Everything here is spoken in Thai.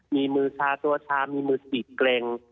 มีมือชาตัวชามีมือฉีกเกร็ง